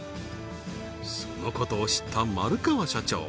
そのことを知った丸川社長